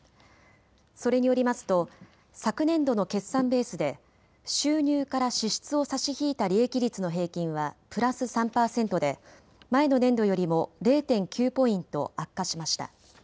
それによりますと昨年度の決算ベースで収入から支出を差し引いた利益率の平均はプラス３％で前の年度よりも０．９ポイント悪化しました。